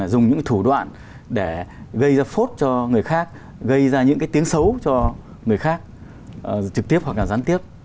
dùng những thủ đoạn để gây ra phốt cho người khác gây ra những cái tiếng xấu cho người khác trực tiếp hoặc là gián tiếp